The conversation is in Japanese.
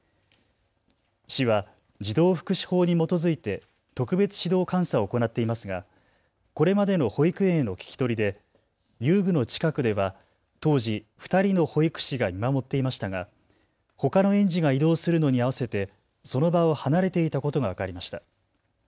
市は児童福祉法に基づいて特別指導監査を行っていますがこれまでの保育園への聞き取りで遊具の近くでは当時２人の保育士が見守っていましたがほかの園児が移動するのに合わせてその場を離れていたことが分かりました。